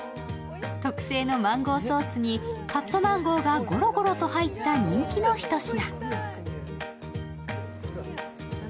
特製のマンゴーソースにカットマンゴーがごろごろと入った人気のひと品。